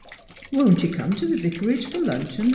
" Won't you come to the Yicarage for luncheon.